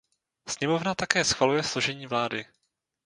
Sněmovna také schvaluje složení vlády.